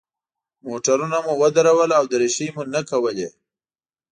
موټرونه مو ودرول او دریشۍ مو نه کولې.